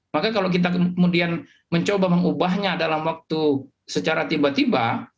maka kalau kita kemudian mencoba mengubahnya dalam waktu secara tiba tiba